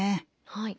はい。